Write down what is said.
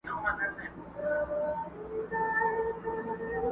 کونه خداى رانه کړه، په نيره ما سورۍ نه کړه.